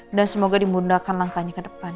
dan semoga dimudahkan langkahnya ke depan